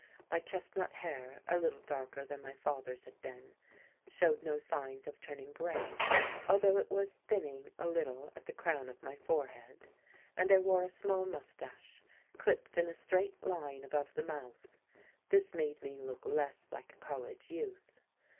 My chestnut hair, a little darker than my father's had been, showed no signs of turning grey, although it was thinning a little at the crown of the forehead, and I wore a small moustache, clipped in a straight line above the mouth. This made me look less like a college youth.